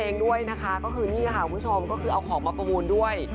นอกจากมาร้องเพลงเนี่ยคุณชนมนะคะเอาของมาประวูลด้วย